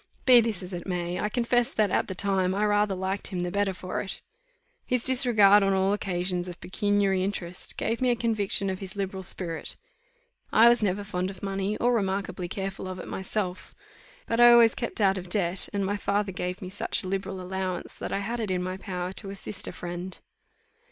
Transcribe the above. Be this as it may, I confess that, at the time, I rather liked him the better for it. His disregard, on all occasions, of pecuniary interest, gave me a conviction of his liberal spirit. I was never fond of money, or remarkably careful of it myself; but I always kept out of debt; and my father gave me such a liberal allowance, that I had it in my power to assist a friend.